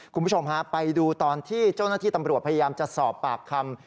คุณผู้ชมฮะไปดูตอนที่เจ้าหน้าที่ตำรวจพยายามจะสอบปากคำ